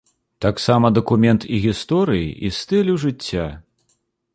Таксама дакумент і гісторыі, і стылю жыцця.